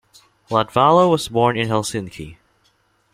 Latvala was born in Helsinki.